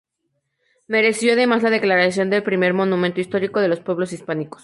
Mereció además la declaración de Primer Monumento histórico de los pueblos Hispánicos.